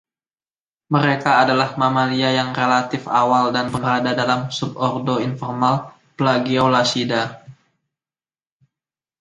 Mereka adalah mamalia yang relatif awal dan berada dalam sub ordo informal "Plagiaulacida".